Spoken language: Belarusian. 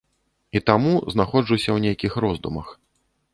І таму знаходжуся ў нейкіх роздумах.